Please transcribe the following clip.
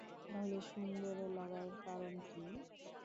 তাহলে সুন্দর লাগার কারণ কি?